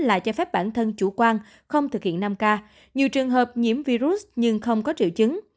lại cho phép bản thân chủ quan không thực hiện năm k nhiều trường hợp nhiễm virus nhưng không có triệu chứng